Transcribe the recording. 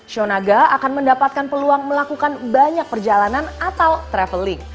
shonaga akan mendapatkan peluang melakukan banyak perjalanan atau traveling